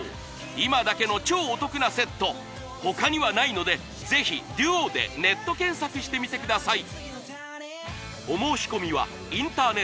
今だけの超お得なセット他にはないのでぜひＤＵＯでネット検索してみてください